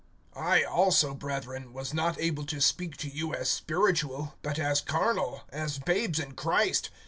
I ALSO, brethren, was not able to speak to you as spiritual, but as carnal, as babes in Christ.